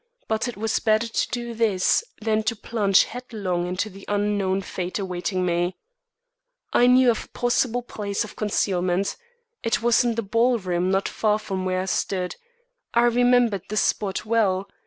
But it was better to do this than to plunge headlong into the unknown fate awaiting me. I knew of a possible place of concealment. It was in the ballroom not far from where I stood. I remembered the spot well.